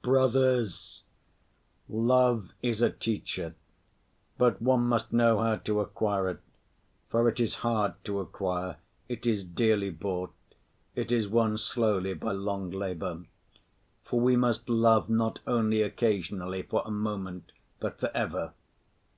Brothers, love is a teacher; but one must know how to acquire it, for it is hard to acquire, it is dearly bought, it is won slowly by long labor. For we must love not only occasionally, for a moment, but for ever.